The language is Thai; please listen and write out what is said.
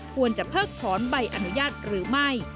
เพิกถอนใบอนุญาตหรือไม่